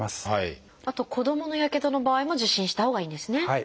あと子どものやけどの場合も受診したほうがいいんですね。